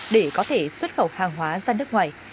để có thể xuất khẩu hàng hóa ra nước ngoài